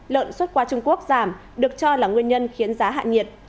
lợn xuất qua trung quốc giảm được cho là nguyên nhân khiến giá hạ nhiệt